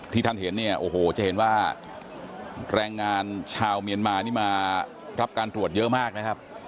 ที่ท่านเห็นจะเห็นว่าแรงงานชาวเมียนมานี่มารับการตรวจเยอะมากนะครับ